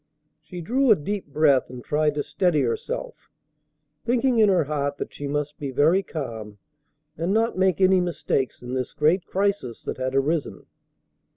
She drew a deep breath, and tried to steady herself, thinking in her heart that she must be very calm and not make any mistakes in this great crisis that had arisen.